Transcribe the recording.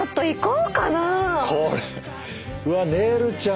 うわねるちゃん